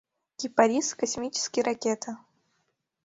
«Кипарис — космический ракета...»